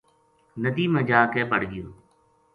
ندی ما جا کے بڑ گیو